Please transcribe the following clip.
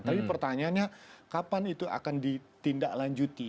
tapi pertanyaannya kapan itu akan ditindaklanjuti